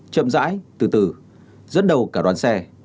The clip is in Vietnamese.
chậm dãi từ từ dẫn đầu cả đoàn xe